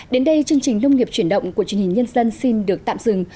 đến đây chương trình nông nghiệp chuyển động của truyền hình nhân dân xin được tạm dừng